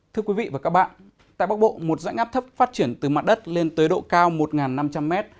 thưa quý vị và các bạn tại bắc bộ một dãnh áp thấp phát triển từ mặt đất lên tới độ cao một năm trăm linh m